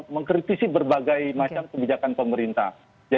mengkritisi berbagai macam kebijakan pemerintah